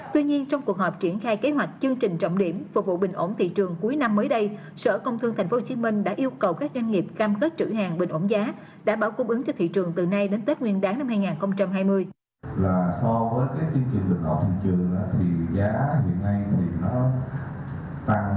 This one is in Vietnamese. tuy nhiên trong cuộc họp triển khai kế hoạch chương trình trọng điểm phục vụ bình ổn thị trường cuối năm mới đây sở công thương tp hcm đã yêu cầu các doanh nghiệp cam kết trữ hàng bình ổn giá đảm bảo cung ứng cho thị trường từ nay đến tết nguyên đáng năm hai nghìn hai mươi